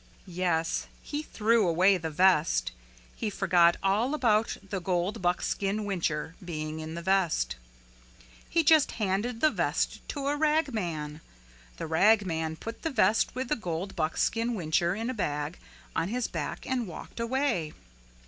Yes, he threw away the vest. He forgot all about the gold buckskin whincher being in the vest. He just handed the vest to a rag man. And the rag man put the vest with the gold buckskin whincher in a bag on his back and walked away.